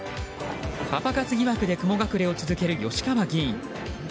パパ活疑惑で雲隠れを続ける吉川議員。